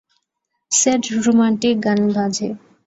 Sad romantic গান বাজে।